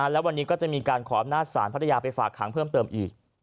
แล้ววันนี้ก็จะมีการขออำนาจศาลพัทยาไปฝากขังเพิ่มเติมอีก